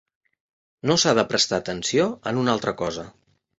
No s'ha de prestar atenció en una altra cosa.